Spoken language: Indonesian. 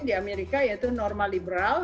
di amerika yaitu normal liberal